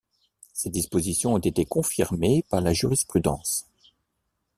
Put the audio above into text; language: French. Ces dispositions ont été confirmées par la jurisprudence.